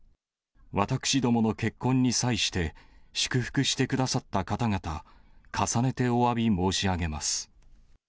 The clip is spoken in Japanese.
私どもの結婚に際して、祝福してくださった方々、重ねておわび申し上げます。